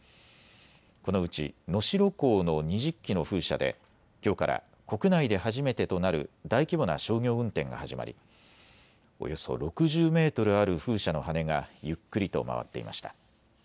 このうち能代港の２０基の風車できょうから国内で初めてとなる大規模な商業運転が始まりおよそ６０メートルある風車の羽根がゆっくりと回っていました。